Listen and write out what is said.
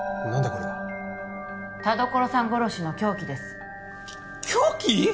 これは田所さん殺しの凶器です凶器！？